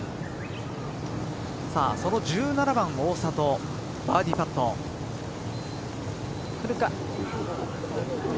その１７番、大里バーディーパットくるか。